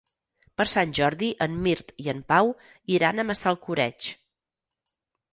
Per Sant Jordi en Mirt i en Pau iran a Massalcoreig.